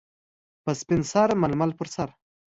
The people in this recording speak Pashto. - په سپین سر ململ پر سر.